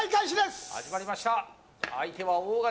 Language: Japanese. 相手は大型！